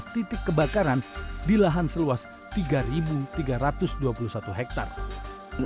satu dua ratus dua belas titik kebakaran di lahan seluas tiga tiga ratus dua puluh satu hektare